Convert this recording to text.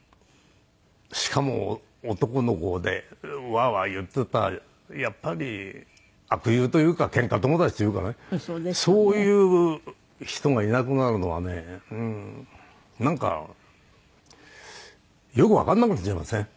しかも男の子でワーワー言ってたやっぱり悪友というかけんか友達というかねそういう人がいなくなるのはねなんかよくわかんなくなっちゃいますね